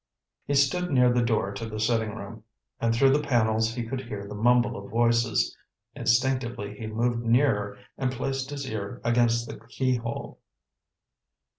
He stood near the door to the sitting room, and through the panels he could hear the mumble of voices. Instinctively he moved nearer and placed his ear against the keyhole.